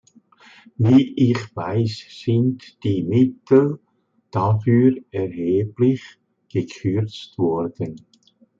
Wie ich weiß, sind die Mittel dafür erheblich gekürzt worden.